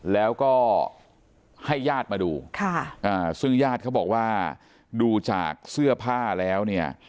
แล้วก็ให้ญาติมาดูซึ่งญาติเขาบอกว่าดูจากเสื้อผ้าแล้ว